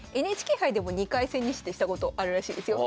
ＮＨＫ杯でも２回千日手したことあるらしいですよ